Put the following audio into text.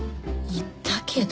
言ったけど。